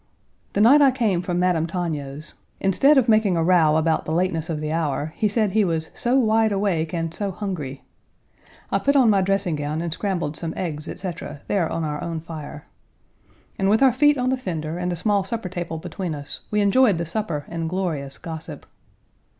The night I came from Madame Togno's, instead of making a row about the lateness of the hour, he said he was "so wide awake and so hungry." I put on my dressing gown and scrambled Page 152 some eggs, etc., there on our own fire. And with our feet on the fender and the small supper table between us, we enjoyed the supper and glorious gossip.